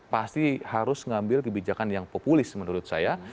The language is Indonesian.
pasti harus mengambil kebijakan yang populis menurut saya